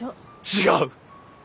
違う！